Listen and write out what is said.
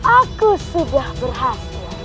aku sudah berhasil